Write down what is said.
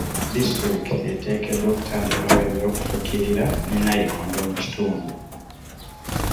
Disitulikiti eteekeddwa okutandikawo eby'okufukirira ne nayikondo mu kitundu.